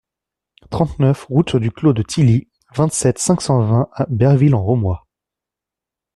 trente-neuf route du Clos de Tilly, vingt-sept, cinq cent vingt à Berville-en-Roumois